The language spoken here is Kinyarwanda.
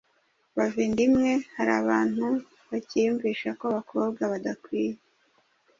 bava inda imwe. Hari abantu bakiyumvisha ko abakobwa badakwiye